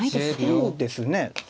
そうですね。